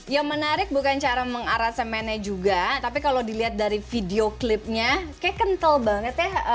yang menarik bukan cara mengarah semennya juga tapi kalau dilihat dari video klipnya kayak kental banget ya